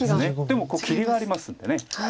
でもここ切りがありますんで。